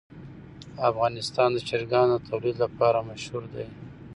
افغانستان د چرګانو د تولید لپاره مشهور دی.